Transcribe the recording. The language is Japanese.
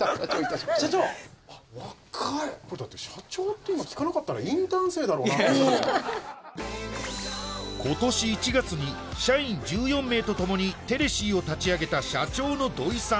これだって社長って今聞かなかったら今年１月に社員１４名と共にテレシーを立ち上げた社長の土井さん